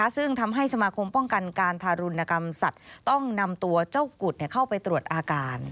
ซึ่งทำให้สมาคมป้องกันการทารุณกรรมสัตว์ต้องนำตัวเจ้ากุดเข้าไปตรวจอาการ